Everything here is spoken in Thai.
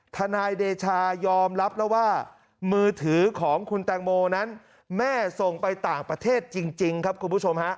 ทนายเดชายอมรับแล้วว่ามือถือของคุณแตงโมนั้นแม่ส่งไปต่างประเทศจริงครับคุณผู้ชมฮะ